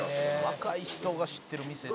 「若い人が知ってる店」